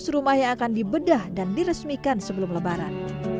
rumah yang akan dibedah dan diresmikan sebelum lebaran